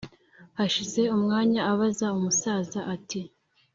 hashize umwanya abaza umusaza ati: